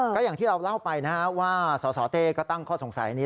ก็อย่างที่เราเล่าไปนะฮะว่าสสเต้ก็ตั้งข้อสงสัยนี้